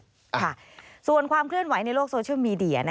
ค่ะส่วนความเคลื่อนไหวในโลกโซเชียลมีเดีย